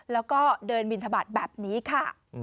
แล้วก็เดินบินทบาทแบบนี้ค่ะ